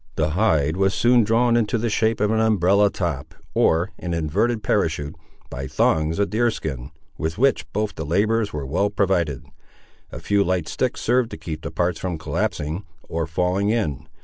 The hide was soon drawn into the shape of an umbrella top, or an inverted parachute, by thongs of deer skin, with which both the labourers were well provided. A few light sticks served to keep the parts from collapsing, or falling in.